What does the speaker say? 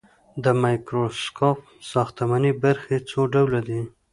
د مایکروسکوپ ساختماني برخې څو ډوله دي.